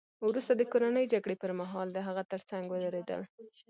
وروسته د کورنۍ جګړې پرمهال د هغه ترڅنګ ودرېدل